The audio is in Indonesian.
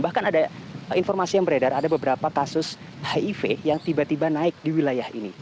bahkan ada informasi yang beredar ada beberapa kasus hiv yang tiba tiba naik di wilayah ini